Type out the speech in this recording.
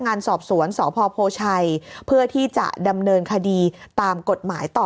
งานสอบสวนสพโพชัยเพื่อที่จะดำเนินคดีตามกฎหมายต่อ